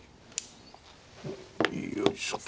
よいしょと。